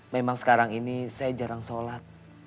memang sekarang ini saya jarang sholat